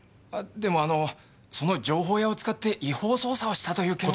でもあのその情報屋を使って違法捜査をしたという件は。